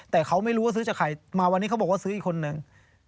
แต่เขาไม่รู้ว่าซื้อจากใครมาวันนี้เขาบอกว่าซื้ออีกคนนึง